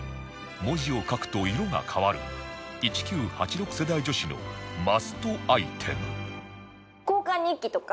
文字を書くと色が変わる１９８６世代女子のマストアイテム